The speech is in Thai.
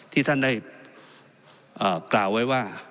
ที่ท่านได้กล่าวไว้ว่า